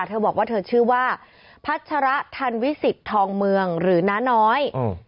เธอบอกว่าเธอชื่อว่าพัชระทันวิสิตทองเมืองหรือน้าน้อย